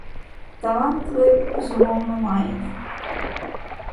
Талант ви, безумовно, маєте.